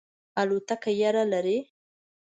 الوتکه یره لرئ؟